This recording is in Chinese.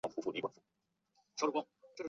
重要事件及趋势重要人物